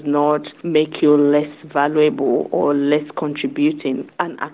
dan mengakibatkan bahwa hidup di konteks yang berbeda